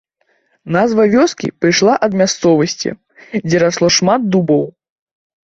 Назва вёскі пайшла ад мясцовасці, дзе расло шмат дубоў.